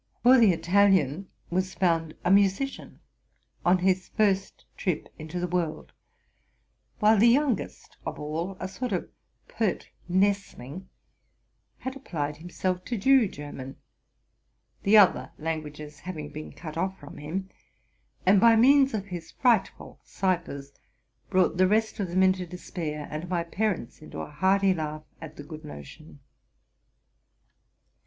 For the Italian was found a musician, on his first trip into the world; while the youngest of all, a sort of pert nestling, had applied himself to Jew German, — the other languages having been cut off from him, and, by means of his frightful ciphers, brought the rest of them into despair, and my parents into a hearty laugh at the good notion.